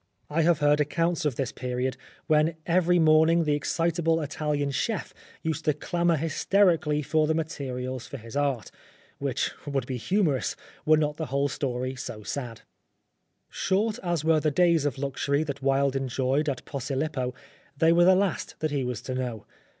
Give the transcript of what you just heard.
I have heard accounts of this period, when every morning the excitable Italian chef used to clamour 252 Oscar Wilde hysterically for the materials for his art, which would be humorous were not the whole story so sad. Short as were the days of luxury that Wilde enjoyed at Posilippo, they were the last that he was to know.